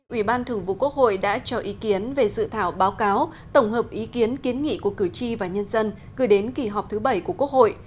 ủy ban thường vụ quốc hội đã cho ý kiến về dự thảo báo cáo tổng hợp ý kiến kiến nghị của cử tri và nhân dân gửi đến kỳ họp thứ bảy của quốc hội